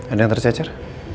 ada yang tercecer